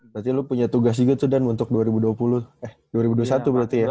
berarti lu punya tugas juga tuh dan untuk dua ribu dua puluh eh dua ribu dua puluh satu berarti ya